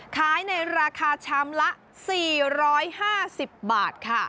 ขายในราคาชามละ๔๕๐บาทค่ะ